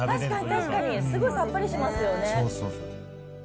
確かに、すごいさっぱりしますよね。